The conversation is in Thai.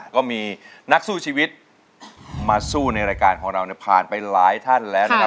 ก็มีนักสู้ชีวิตมาสู้ในรายการของเราผ่านไปหลายท่านแล้วนะครับ